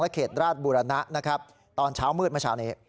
และเขตราดบุรณะตอนเช้ามืดเมื่อเช้านี้